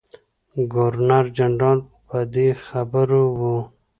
ګورنر جنرال په دې خبر وو.